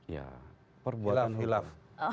ya perbuatan hukum